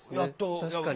確かに。